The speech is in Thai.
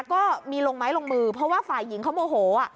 ก็มีลงไม้ลงมือเพราะว่าฝ่ายหญิงเขาโมโห